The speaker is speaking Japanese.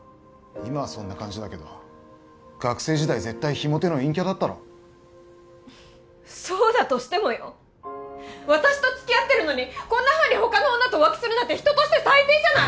今はそんな感じだけど学生時代絶対非モテの陰キャだったろそうだとしてもよ私と付き合ってるのにこんなふうに他の女と浮気するなんて人として最低じゃない！